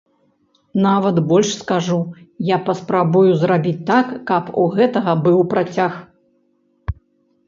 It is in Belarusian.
Нават больш скажу, я паспрабую зрабіць так, каб у гэтага быў працяг.